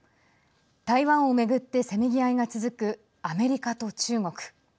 台湾を巡ってせめぎ合いが続くアメリカと中国。